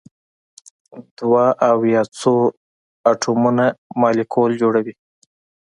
دوه او یا څو اتومونه مالیکول جوړوي.